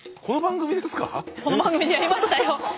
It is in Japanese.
この番組でやりましたよ。